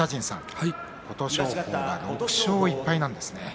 琴勝峰が６勝１敗なんですね。